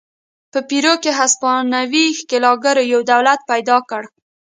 په پیرو کې هسپانوي ښکېلاکګرو یو دولت پیدا کړ.